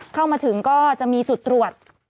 เข้ามาถึงก็จะมีจุดตรวจ